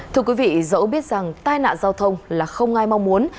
thưa quý vị dẫu biết rằng tai nạn giao thông là không ai mong muốn